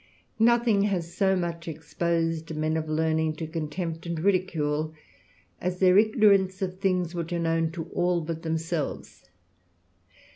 Nothing has so much exposed men of learning tg 152 THE RAMBLER. contempt and ridicule, as their ignorance of things are known to all but themselves.